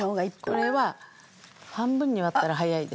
これは半分に割ったら早いです。